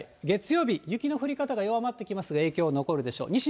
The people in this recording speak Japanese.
月曜日、雪の降り方が弱まってきますが、影響は残るでしょう。